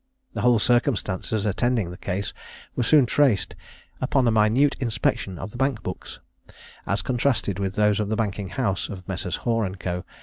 The whole circumstances attending the case were soon traced, upon a minute inspection of the bank books, as contrasted with those of the banking house of Messrs. Hoare and Co.